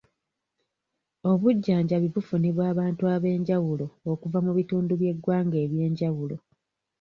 Obujjanjabi bufunibwa abantu ab'enjawulo okuva mu bitundu by'egwanga eby'enjawulo.